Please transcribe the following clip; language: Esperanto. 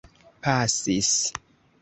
pasis